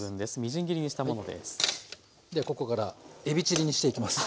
でここからえびチリにしていきます。